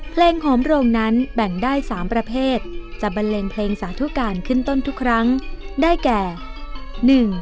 เพลงหอมโรงนั้นแบ่งได้สามประเภทจะบันเลงเพลงสาธุการขึ้นต้นทุกครั้งได้แก่หนึ่ง